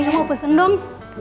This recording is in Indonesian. mbak ayo mau pesen dong